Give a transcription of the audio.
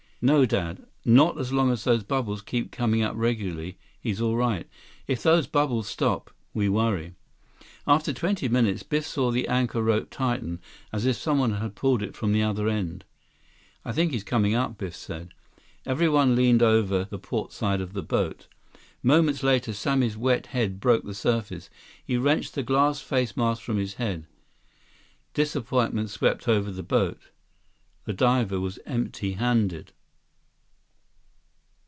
"No, Dad. Not as long as those bubbles keep coming up regularly. He's all right. If those bubbles stop, we worry." After twenty minutes, Biff saw the anchor rope tighten, as if someone had pulled it from the other end. "I think he's coming up," Biff said. Everyone leaned over the portside of the boat. 174 Moments later, Sammy's wet head broke the surface. He wrenched the glass face mask from his head. Disappointment swept over the boat. The diver was empty handed.